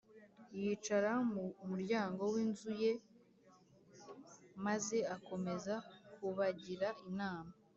Yicara mu muryango w’ inzu ye maze akomeza kubagira inama